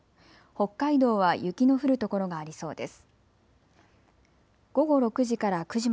北海道は雪の降る所がありそうです。